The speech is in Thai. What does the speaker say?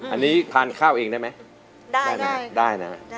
อันนี้ทานข้าวเองได้ไหมได้นะได้นะ